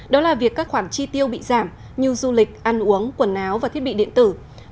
đó là việc các khoản chi tiêu bị giảm như du lịch ăn uống quần áo và thiết bị điện tử